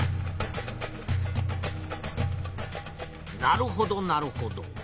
なるほどなるほど。